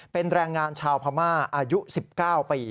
เป็นแรงงานชาวพม่าอายุ๑๙ปี